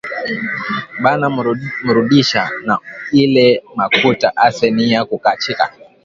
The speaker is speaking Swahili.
Bana murudisha na ile makuta ase niya kukachika